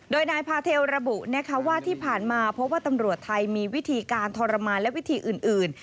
โดยนายพาเทลระบุนะคะว่าที่ผ่านมาพบว่าตำรวจไทยมีวิธีการทรมานและวิธีอื่น